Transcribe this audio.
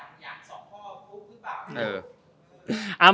อันนี้ยาก